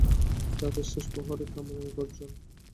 রাতের শেষ প্রহরে কামানের গর্জন।